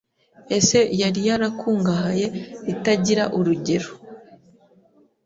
ese yari yarakungahaye itagira urugero